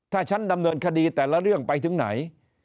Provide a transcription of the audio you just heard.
ถ้าฉันดำเนินคดีแต่ละเรื่องไปถึงไหน